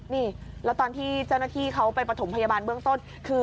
นี่แล้วตอนที่เจ้าหน้าที่เขาไปประถมพยาบาลเบื้องต้นคือ